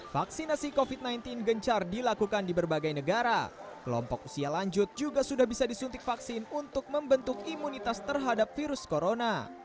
vaksinasi covid sembilan belas gencar dilakukan di berbagai negara kelompok usia lanjut juga sudah bisa disuntik vaksin untuk membentuk imunitas terhadap virus corona